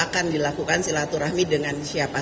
selalu akan dilakukan silaturahmi dengan siapa saja